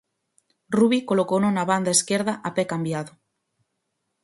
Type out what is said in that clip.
Rubi colocouno na banda esquerda a pé cambiado.